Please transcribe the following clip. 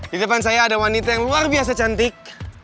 di depan saya ada wanita yang luar biasa cantik